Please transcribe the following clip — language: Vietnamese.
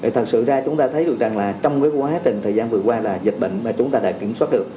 thật sự ra chúng ta thấy được rằng là trong quá trình thời gian vừa qua là dịch bệnh mà chúng ta đã kiểm soát được